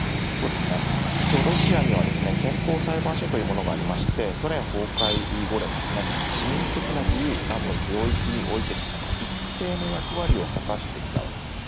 一応、ロシアには憲法裁判所というものがありまして、ソ連崩壊後でも、市民的な自由などの領域において、一定の役割を果たしてきたわけです。